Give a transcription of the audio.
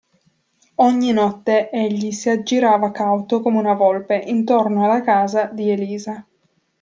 Ogni notte egli si aggirava cauto come una volpe intorno alla casa di Elisa.